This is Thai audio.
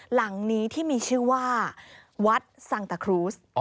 หลังนี้ที่มีชื่อว่าวัดสังตะครูส